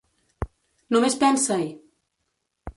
Només pensa-hi!